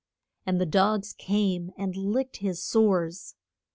And the dogs came and licked his sores.